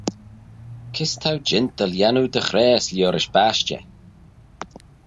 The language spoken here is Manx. Kys t'ou jeant dty lhiannoo dy ghrayse liorish bashtey?